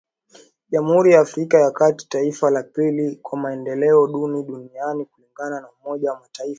Jamhuri ya Afrika ya kati, taifa la pili kwa maendeleo duni duniani kulingana na umoja wa mataifa .